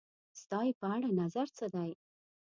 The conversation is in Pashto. ستا یی په اړه نظر څه دی؟